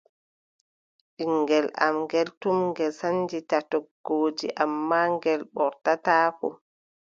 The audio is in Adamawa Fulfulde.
Ɓiŋngel am ngeel, tum ngel sannjita toggooje, ammaa ngel ɓortataako.